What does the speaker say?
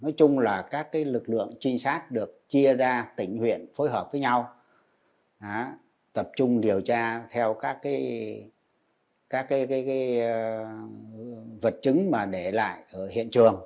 nói chung là các lực lượng trinh sát được chia ra tỉnh huyện phối hợp với nhau tập trung điều tra theo các vật chứng mà để lại ở hiện trường